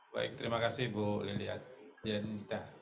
baik terima kasih bu lilian